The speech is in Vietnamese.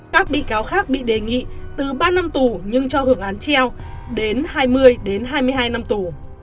các bị cáo khác bị đề nghị từ ba năm tù nhưng cho hưởng án treo đến hai mươi đến hai mươi hai năm tù